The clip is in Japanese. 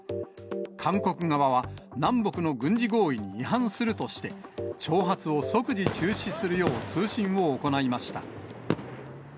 韓国側は、南北の軍事合意に違反するとして、挑発を即時中止するよう通信を行いました。